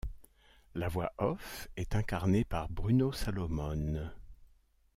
La voix off est incarnée par Bruno Salomone.